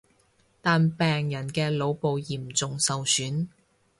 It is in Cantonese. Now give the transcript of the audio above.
但病人嘅腦部嚴重受損